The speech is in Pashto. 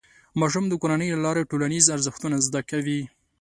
ماشوم د کورنۍ له لارې ټولنیز ارزښتونه زده کوي.